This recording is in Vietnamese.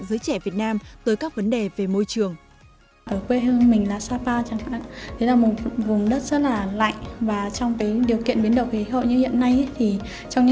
vì thế tại việt nam u n có thể cố gắng cầu nhận thức tổ chức này với chính phủ